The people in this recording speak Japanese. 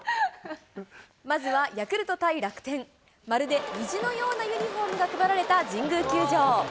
まずはヤクルト対楽天、まるで虹のようなユニホームが配られた神宮球場。